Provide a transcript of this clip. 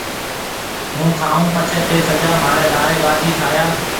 هُون کائون پڇيَ ٿَي سجا مهاريَ لاري ٻاٽِي کائيا۔